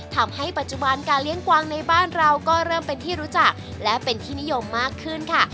ทำให้ปัจจุบันการเลี้ยงกวางในบ้านเราก็เริ่มเป็นที่รู้จักและเป็นที่นิยมมากขึ้นค่ะ